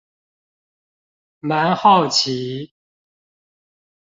蠻好奇